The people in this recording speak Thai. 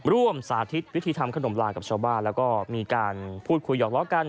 สาธิตวิธีทำขนมลากับชาวบ้านแล้วก็มีการพูดคุยหอกล้อกัน